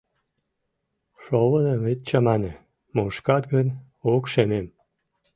Шовыным ит чамане, мушкат гын, ок шемем